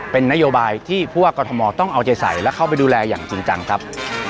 เป็นนโยบายที่ผู้ว่ากรทมต้องเอาใจใส่และเข้าไปดูแลอย่างจริงจังครับ